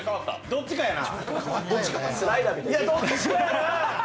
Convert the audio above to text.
どっちかやな？